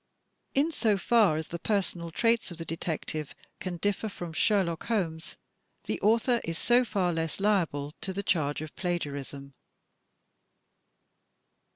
In so far as the personal traits of the detective can differ from Sherlock Holmes, the author is so far less liable to the charge of plagiarism.